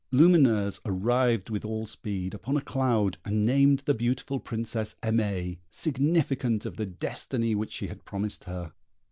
Lumineuse arrived with all speed, upon a cloud, and named the beautiful Princess Aimée, significant of the destiny which she had promised her.